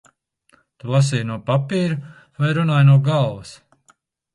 Tu lasīji no papīra vai runāji no galvas?